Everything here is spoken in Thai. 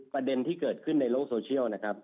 ประเด็นที่เกิดขึ้นในโลกโซเชียลนะครับ